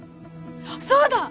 そうだ！